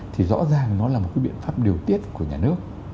thì rõ ràng nó là một cái biện pháp điều tiết của nhà nước